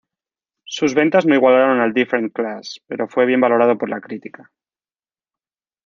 Sus ventas no igualaron al "Different Class", pero fue bien valorado por la crítica.